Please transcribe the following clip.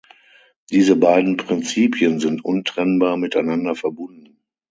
Diese beiden Prinzipien sind untrennbar miteinander verbunden.